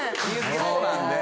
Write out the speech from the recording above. そうなんで。